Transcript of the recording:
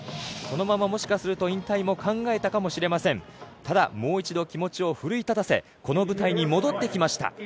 そのままもしかすると引退も考えたかもしれませんただ、もう一度気持ちを奮い立たせこの舞台に戻ってきました。